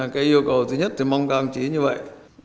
cái yêu cầu thứ nhất thì mong các anh chí như vậy